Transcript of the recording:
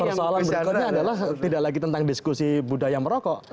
persoalan berikutnya adalah tidak lagi tentang diskusi budaya merokok